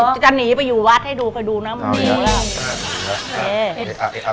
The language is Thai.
จะหนีไปอยู่วัฒน์ให้ดูก่อนนะ